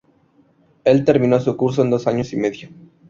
Él terminó su curso en dos años y medio.